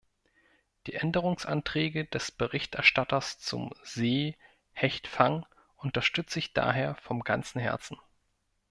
Die Änderungsanträge des Berichterstatters zum Seehechtfang unterstütze ich daher von ganzem Herzen.